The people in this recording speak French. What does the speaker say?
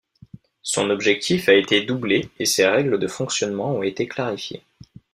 Son effectif a été doublé et ses règles de fonctionnement ont été clarifiées.